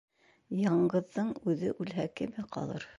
Яңғыҙҙың үҙе үлһә, кеме ҡалыр?